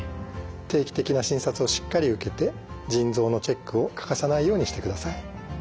定期的な診察をしっかり受けて腎臓のチェックを欠かさないようにしてください。